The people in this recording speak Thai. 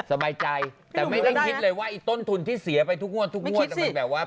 สบายใจไม่ได้เลยว่าอีกต้นทุนที่เสียไปทุกไม่คิดว่า